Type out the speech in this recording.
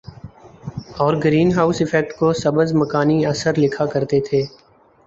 اور greenhouse effect کو سبز مکانی اثر لکھا کرتے تھے